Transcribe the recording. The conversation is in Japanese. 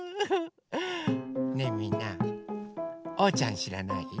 ねえみんなおうちゃんしらない？